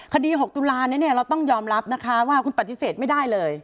คดี๖ตุลาเราต้องยอมรับนะคะว่าคุณปฏิเสธไม่ได้เลย